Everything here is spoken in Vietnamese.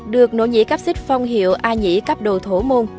được nội nhị cáp xích phong hiệu a nhị cáp đồ thổ môn